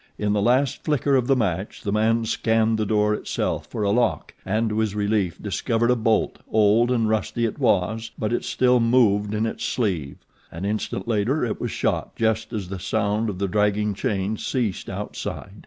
In the last flicker of the match the man scanned the door itself for a lock and, to his relief, discovered a bolt old and rusty it was, but it still moved in its sleeve. An instant later it was shot just as the sound of the dragging chain ceased outside.